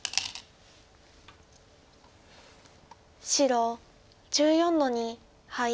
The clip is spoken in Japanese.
白１４の二ハイ。